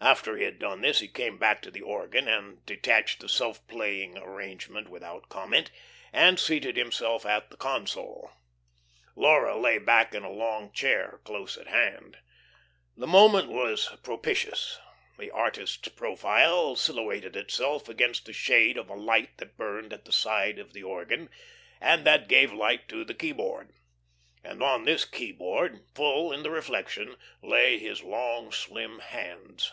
After he had done this he came back to the organ and detached the self playing "arrangement" without comment, and seated himself at the console. Laura lay back in a long chair close at hand. The moment was propitious. The artist's profile silhouetted itself against the shade of a light that burned at the side of the organ, and that gave light to the keyboard. And on this keyboard, full in the reflection, lay his long, slim hands.